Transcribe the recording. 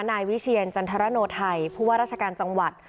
นายวิเชียรจันทรโนไทยผู้ว่าราชการจังหวัด